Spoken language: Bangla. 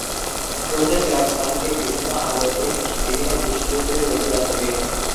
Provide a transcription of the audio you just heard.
প্রত্যেক চার্চ তাঁহাকে বিভিন্ন আলোকে বিভিন্ন দৃষ্টিতে দেখিয়া থাকে।